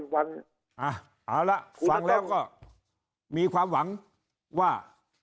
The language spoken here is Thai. ภายในเก้าสิบวันอ่าเอาล่ะฟังแล้วก็มีความหวังว่า